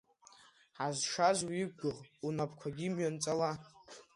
Ҳазшаз уиқәгәыӷ, унапқәагьы мҩанҵала.